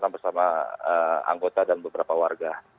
bersama anggota dan beberapa warga